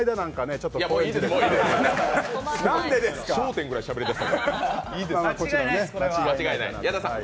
「笑点」ぐらいしゃべり出す。